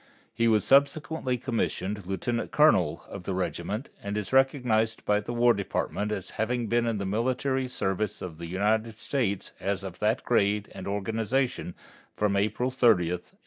He was subsequently commissioned lieutenant colonel of the regiment and is recognized by the War Department as having been in the military service of the United States as of that grade and organization from April 30, 1862.